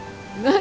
何？